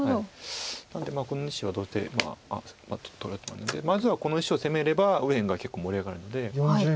なのでこの石はどうせ取られたのでまずはこの石を攻めれば右辺が結構盛り上がるので。